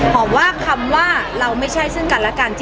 บอกว่าคำว่าเราไม่ใช่ซึ่งกันและกัน